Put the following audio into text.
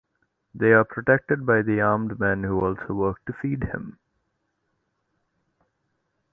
They are protected by the armed men who also work to feed him.